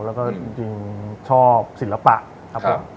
แล้วก็จริงชอบศิลปะครับผม